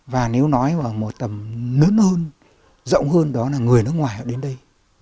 và nếu nói vào một tầm lớn hơn rộng hơn đó là người nước ngoài họ đến đây